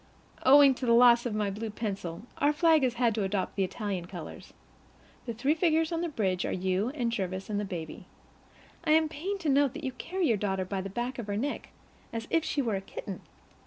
Owing to the loss of my blue pencil, our flag has had to adopt the Italian colors. The three figures on the bridge are you and Jervis and the baby. I am pained to note that you carry your daughter by the back of her neck, as if she were a kitten.